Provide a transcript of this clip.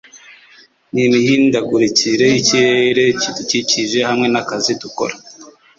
n’imihindagurikire y’ikirere kidukikije, hamwe n’akazi dukora.